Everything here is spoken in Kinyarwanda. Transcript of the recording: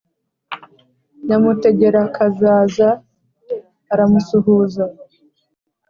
Nyamutegerakazaza aramusuhuza,